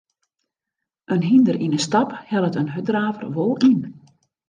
In hynder yn 'e stap hellet in hurddraver wol yn.